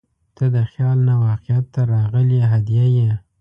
• ته د خیال نه واقعیت ته راغلې هدیه یې.